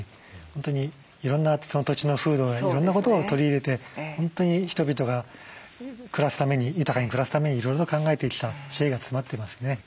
本当にいろんな土地の風土やいろんなことを取り入れて本当に人々が豊かに暮らすためにいろいろと考えてきた知恵が詰まっていますね。